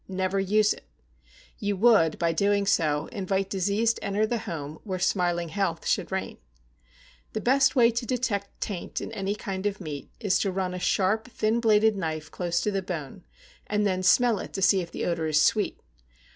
Never use it. You would, by doing so, invite disease to enter the home where smiling health should reign. The best way to detect taint in any kind of meat is to run a sharp, thin bladed knife close to the bone, and then smell it to see if the odor is sweet.